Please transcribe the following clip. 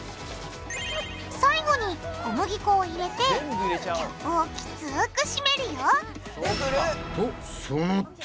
最後に小麦粉を入れてキャップをきつくしめるよそれ！